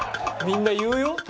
みんな言うよ？